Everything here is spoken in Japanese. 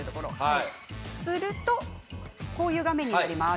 すると、こういう画面になります。